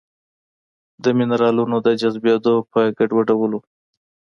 د مېنرالونو د جذبېدو په ګډوډولو